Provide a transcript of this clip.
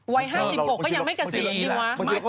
วัย๕๖ก็ยังไม่เกษียณดีวะ